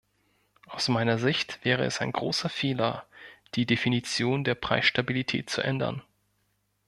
Aus meiner Sicht wäre es ein großer Fehler, die Definition der Preisstabilität zu ändern.